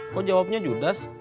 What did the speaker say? kok jawabnya judas